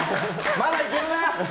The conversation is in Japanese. まだいけるな！